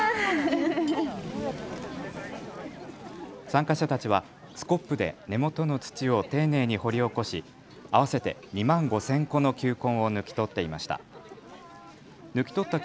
参加者たちはスコップで根元の土を丁寧に掘り起こし合わせて２万５０００個の球根を抜き取っていました。